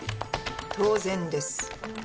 当然です。